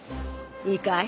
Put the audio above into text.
いいかい？